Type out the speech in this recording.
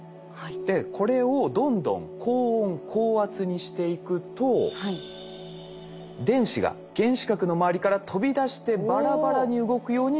でこれをどんどん高温高圧にしていくと電子が原子核の周りから飛び出してバラバラに動くようになるんです。